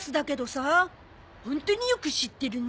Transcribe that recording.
ホントによく知ってるね。